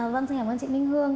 vâng xin cảm ơn chị minh hương